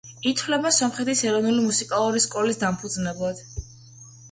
ითვლება სომხეთის ეროვნული მუსიკალური სკოლის დამფუძნებლად.